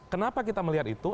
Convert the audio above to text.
kenapa kita melihat itu